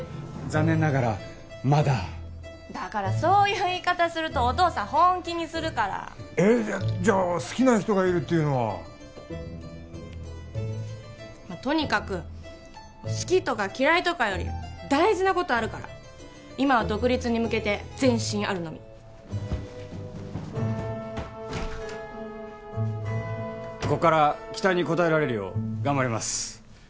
残念ながらまだだからそういう言い方するとお父さん本気にするからえっじゃあ好きな人がいるっていうのはまあとにかく好きとか嫌いとかより大事なことあるから今は独立に向けて前進あるのみこっから期待に応えられるよう頑張ります